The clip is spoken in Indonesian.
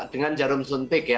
dengan jarum suntik ya